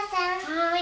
はい。